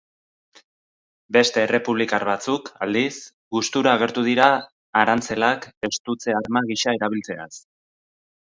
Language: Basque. Beste errepublikar batzuk, aldiz, gustura agertu dira arantzelak estutze-arma gisa erabiltzeaz.